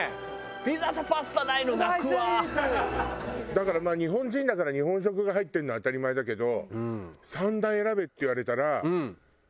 だから日本人だから日本食が入ってるのは当たり前だけど。